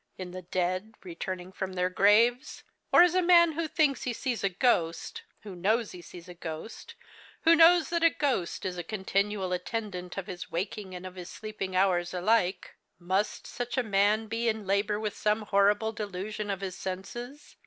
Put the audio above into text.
in the dead returning from their graves? Or is a man who thinks he sees a ghost, who knows he sees a ghost, who knows that a ghost is a continual attendant of his waking and of his sleeping hours alike must such a man be in labour with some horrible delusion of his senses?